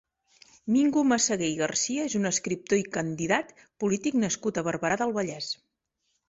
Mingo Meseguer i Garcia és un escriptor i candidat polític nascut a Barberà del Vallès.